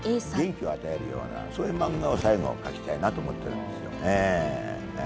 元気を与えるような、そういう漫画を最後は描きたいなと思ってるんですよねぇ。